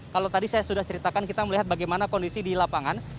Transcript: kalau tadi saya sudah ceritakan kita melihat bagaimana kondisi di lapangan